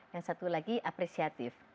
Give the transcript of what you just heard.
yang satu lagi apresiatif